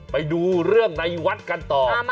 ไปดูเรื่องในวัดกันต่อ